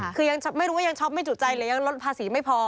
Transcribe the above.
คือยังไม่รู้ว่ายังช็อปไม่จุใจหรือยังลดภาษีไม่พอ